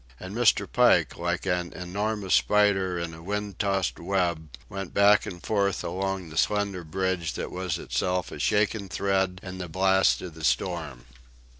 And Mr. Pike, like an enormous spider in a wind tossed web, went back and forth along the slender bridge that was itself a shaken thread in the blast of the storm.